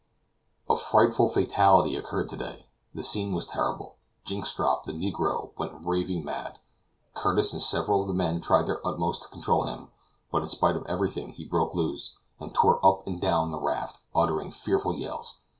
A frightful fatality occurred to day. The scene was terrible. Jynxstrop the negro went raving mad. Curtis and several of the men tried their utmost to control him, but in spite of everything he broke loose, and tore up and down the raft, uttering fearful yells.